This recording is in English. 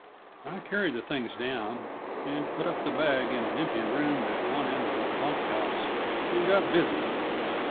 I carried the things down and put up the bag in an empty room at one end of the bunk house, and got busy.